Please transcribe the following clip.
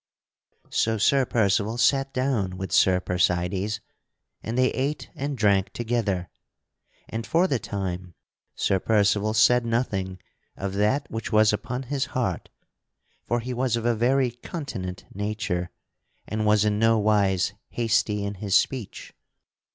So Sir Percival sat down with Sir Percydes and they ate and drank together, and, for the time, Sir Percival said nothing of that which was upon his heart for he was of a very continent nature and was in no wise hasty in his speech.